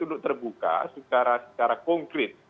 untuk terbuka secara konkret